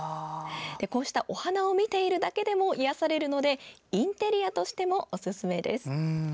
こうしたお花を見ているだけでも癒やされるのでインテリアとしてもおすすめです。